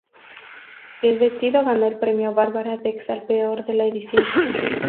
El vestido ganó el "Premio Barbara Dex" al peor de la edición.